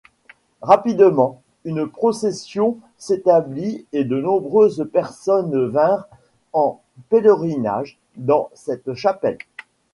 Rapidement, une procession s'établit et de nombreuses personnes vinrent en pèlerinage dans cette chapelle.